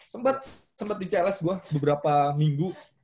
sempet sempet di cls gue beberapa minggu